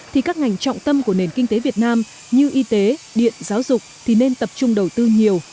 thì các ngành trọng tâm của nền kinh tế việt nam như y tế điện giáo dục thì nên tập trung đầu tư nhiều